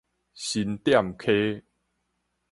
新店溪